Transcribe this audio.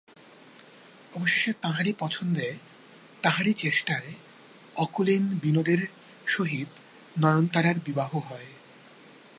অবশেষে তাঁহারই পছন্দে এবং তাঁহারই চেষ্টায় অকুলীন বিনোদের সহিত নয়নতারার বিবাহ হয়।